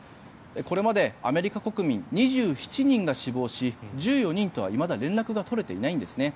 これまでアメリカ国民２７人が死亡し１４人とはいまだ連絡が取れていないんですね。